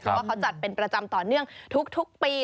เพราะว่าเขาจัดเป็นประจำต่อเนื่องทุกปี